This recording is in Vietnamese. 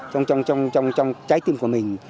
trong trái tim của mình